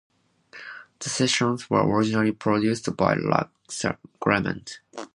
The sessions were originally produced by Jack Clement.